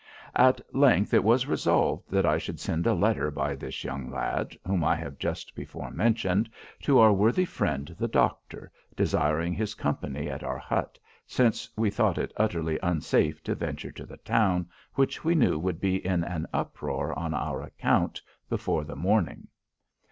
At length it was resolved that I should send a letter by this young lad, whom I have just before mentioned, to our worthy friend the doctor, desiring his company at our hut, since we thought it utterly unsafe to venture to the town, which we knew would be in an uproar on our account before the morning."